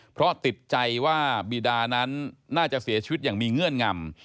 เพราะติดใจว่าบีดานั้นน่าจะเสียชีวิตอย่างมีเงื่อนงำ